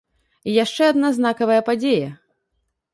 І яшчэ адна знакавая падзея.